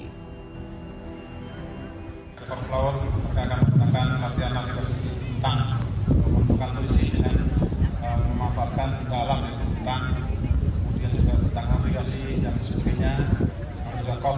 kepala krib masuci akan menempatkan latihan navigasi tentang pembukaan turis dan memanfaatkan dalam itu tentang navigasi dan sebagainya